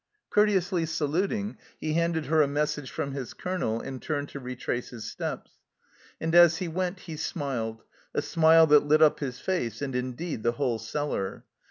Courteously saluting, he handed her a message from his Colonel, and turned to retrace his steps ; and as he went he smiled, a smile that lit up his face and indeed the whole cellar.